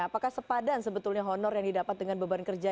apakah sepadan sebetulnya honor yang didapat dengan beban kerja